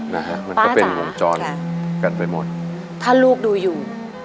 นะฮะมันก็เป็นวงจรกันไปหมดถ้าลูกดูอยู่